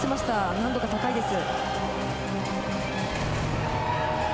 難度が高いです。